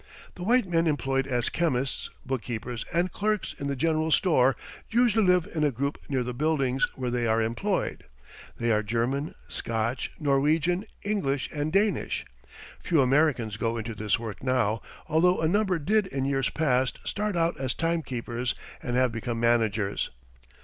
The white men employed as chemists, bookkeepers and clerks in the general store usually live in a group near the buildings where they are employed. They are German, Scotch, Norwegian, English and Danish. Few Americans go into this work now, although a number did in years past start out as time keepers and have become managers.